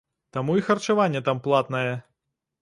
Таму і харчаванне там платнае.